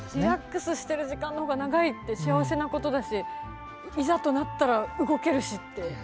リラックスしてる時間の方が長いって幸せなことだしいざとなったら動けるしって。